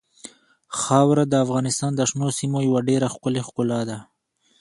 خاوره د افغانستان د شنو سیمو یوه ډېره ښکلې ښکلا ده.